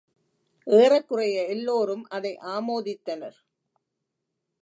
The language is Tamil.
ஏறக்குறைய எல்லோரும் அதை ஆமோதித்தனர்.